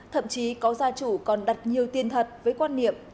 thậm chí có gia chủ còn đặt nhiều tiền thật với quan niệm